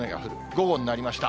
午後になりました。